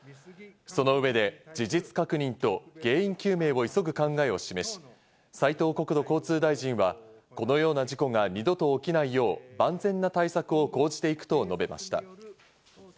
その上で事実確認と原因究明を急ぐ考えを示し、斉藤国土交通大臣はこのような事故が二度と起きないよう万全な対策を講じていくと述べました。